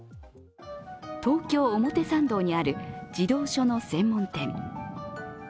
東京・表参道にある児童書の専門店。